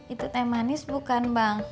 itu teh manis bukan bang